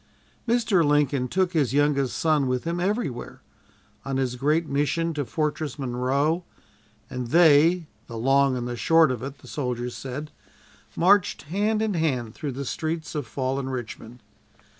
Mr. Lincoln took his youngest son with him everywhere on his great mission to Fortress Monroe, and they "the long and the short of it," the soldiers said marched hand in hand through the streets of fallen Richmond.